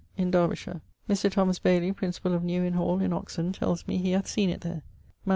in Derbyshire. Dr. Bayly, principall of New Innhall in Oxon, tells me he hath seen it there. MS.